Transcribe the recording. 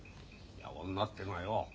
女ってのはよ